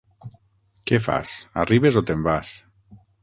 Què fas, arribes o te'n vas?